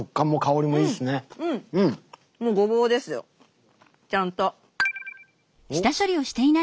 うんもうごぼうですよちゃんと。